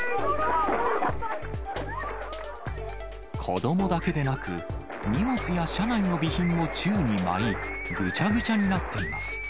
子どもだけでなく、荷物や車内の備品も宙に舞い、ぐちゃぐちゃになっています。